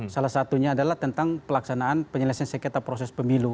salah satunya adalah tentang pelaksanaan penyelesaian sekitar proses pemilu